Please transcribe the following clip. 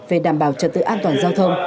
về đảm bảo trật tự an toàn giao thông